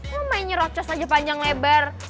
lo main nyerocos aja panjang lebar